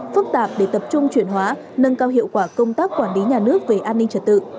phức tạp để tập trung chuyển hóa nâng cao hiệu quả công tác quản lý nhà nước về an ninh trật tự